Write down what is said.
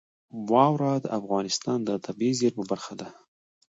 واوره د افغانستان د طبیعي زیرمو برخه ده.